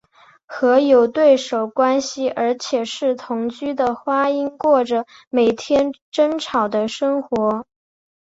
和有对手关系而且是同室的花音过着每天争吵的生活。